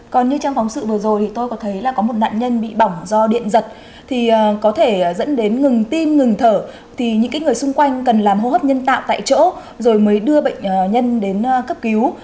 còn như trong phóng sự vừa rồi thì tôi có thấy là có một nạn nhân bị bỏng do điện giật thì có thể dẫn đến ngừng tim ngừng thở thì những người xung quanh cần làm hô hấp nhân tạo tại chỗ rồi mới đưa bệnh nhân đến cấp cứu